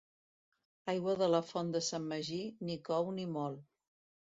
Aigua de la font de sant Magí, ni cou ni mol.